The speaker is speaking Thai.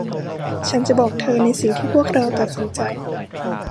ฉันจะบอกเธอในสิ่งที่พวกเราตัดสินใจ